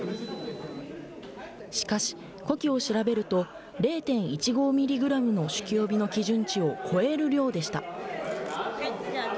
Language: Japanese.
しかし呼気を調べると０．１５ミリグラムの酒気帯びの基準値を超える量でした。